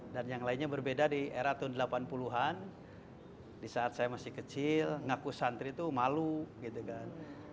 dan yang lainnya berbeda di era tahun delapan puluh an di saat saya masih kecil ngaku santri itu malu gitu kan